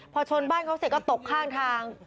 พอชนบ้านเขาเสร็จก็ตกข้างทาง